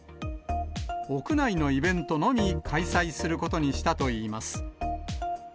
屋内のイベントのみ開催することにしたといいます。